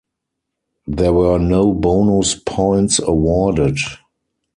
There were no bonus points awarded.